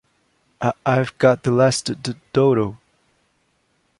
I-I've got the last D-D-Dodo!